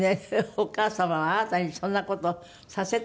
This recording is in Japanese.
お母様はあなたにそんな事をさせたわね。